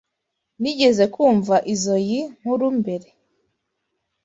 Nigeze kumva izoi nkuru mbere.